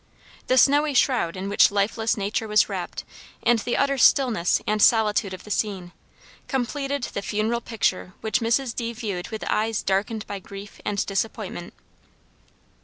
The snowy shroud in which lifeless nature was wrapped and the utter stillness and solitude of the scene, completed the funereal picture which Mrs. D. viewed with eyes darkened by grief and disappointment.